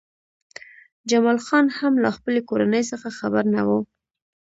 جمال خان هم له خپلې کورنۍ څخه خبر نه و